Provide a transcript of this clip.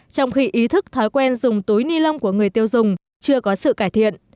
trong khi ý thức thói quen dùng túi ni lông của người tiêu dùng chưa có sự cải thiện